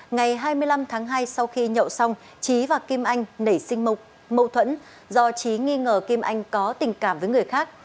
ngày hai mươi năm tháng hai sau khi nhậu xong trí và kim anh nảy sinh mâu thuẫn do trí nghi ngờ kim anh có tình cảm với người khác